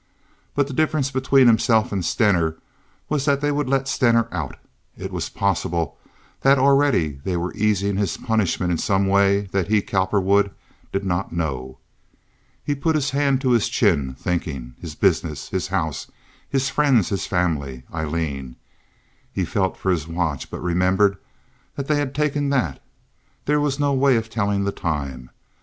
But the difference between himself and Stener was that they would let Stener out. It was possible that already they were easing his punishment in some way that he, Cowperwood, did not know. He put his hand to his chin, thinking—his business, his house, his friends, his family, Aileen. He felt for his watch, but remembered that they had taken that. There was no way of telling the time.